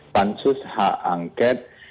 pansus hak anket